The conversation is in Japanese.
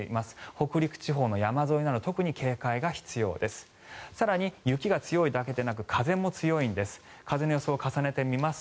北陸地方の山沿いなど特に警戒が必要です。